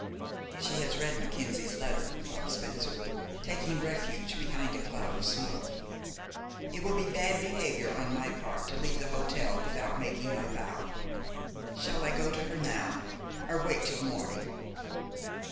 "She has read Mackenzie's letter," thought Spencer, taking refuge behind a cloud of smoke. "It will be bad behavior on my part to leave the hotel without making my bow. Shall I go to her now, or wait till morning?"